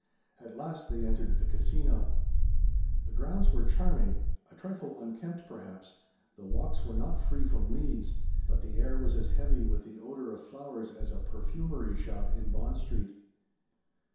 At last they entered the Casino. The grounds were charming, a trifle unkempt perhaps, the walks were not free from weeds, but the air was as heavy with the odor of flowers as a perfumery shop in Bond street.